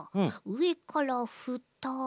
うえからふた。